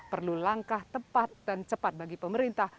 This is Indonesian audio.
perlu langkah tepat dan cepat bagi pemerintah